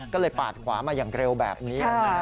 ก็เลยปาดขวามาอย่างเร็วแบบนี้